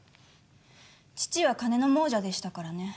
父は金の亡者でしたからね。